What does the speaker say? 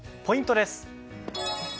ポイントです。